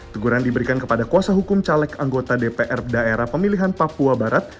teguran diberikan kepada kuasa hukum caleg anggota dpr daerah pemilihan papua barat